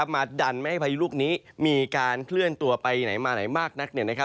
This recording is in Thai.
มาดันไม่ให้พายุลูกนี้มีการเคลื่อนตัวไปไหนมาไหนมากนัก